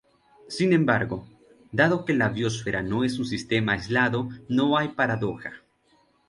Sin embargo, dado que la biosfera no es un sistema aislado, no hay paradoja.